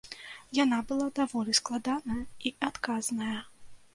Яна была даволі складаная і адказная.